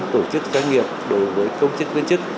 tổ chức doanh nghiệp đối với công chức